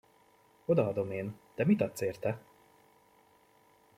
Odaadom én, de mit adsz érte?